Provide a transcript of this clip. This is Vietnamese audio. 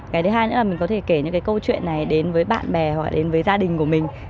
cái thứ hai nữa là mình có thể kể những cái câu chuyện này đến với bạn bè hoặc đến với gia đình của mình